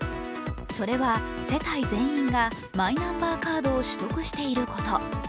それは世帯全員がマイナンバーカードを取得していること。